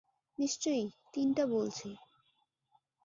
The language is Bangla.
নিশ্চয়ই, তিনটা বলছি।